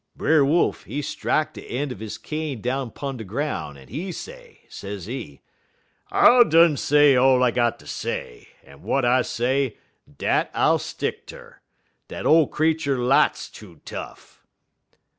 "Brer Wolf, he strak de een' er he cane down 'pun de groun', en he say, sezee: "'I done say all I got ter say, en w'at I say, dat I'll stick ter. Dat ole creetur lots too tough.'